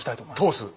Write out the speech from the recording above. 通す？